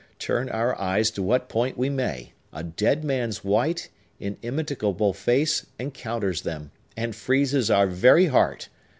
Turn our eyes to what point we may, a dead man's white, immitigable face encounters them, and freezes our very heart!